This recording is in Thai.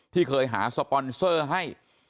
ที่เคยหาสปอนเซอร์ให้